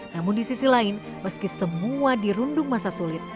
namun di sisi lain meski semua dirundung masa sulit